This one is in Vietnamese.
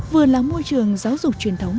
vừa là môi trường giáo dục truyền thống